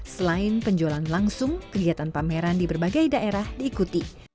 selain penjualan langsung kegiatan pameran di berbagai daerah diikuti